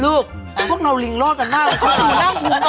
ลูกพวกเราลิงโลดกันมาก